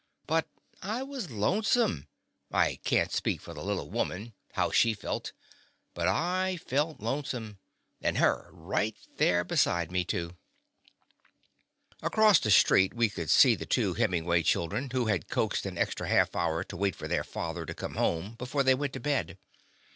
But I was lonesome. I can't speak for the little woman, how she The Confessions of a Daddy felt, but / felt lonesome — and her right there beside me, too. Across the street we could see the two Hemingway children, who had coaxed an extra half hour to wait for their father to come home before they went to bed.